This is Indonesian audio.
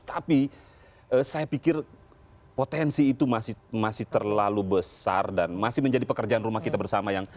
tapi saya pikir potensi itu masih terlalu besar dan masih menjadi pekerjaan rumah kita bersama yang